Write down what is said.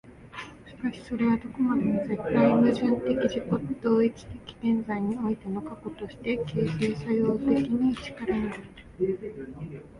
しかしそれはどこまでも絶対矛盾的自己同一的現在においての過去として、形成作用的に然るのである。